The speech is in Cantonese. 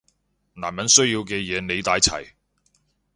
男人需要嘅嘢你帶齊